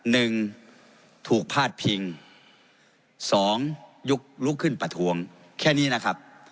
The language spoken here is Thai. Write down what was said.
หนึ่งถูกพาดพิงสองยุคลุกขึ้นประท้วงแค่นี้นะครับ